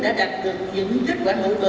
và đạt được những kết quả nổi bật